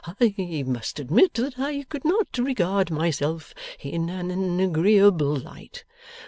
I must admit that I could not regard myself in an agreeable light.